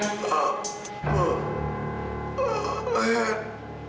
untuk tidak memberitahukannya pada kamu